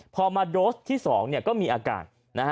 พอมาโดสที่๒ก็มีอากาศ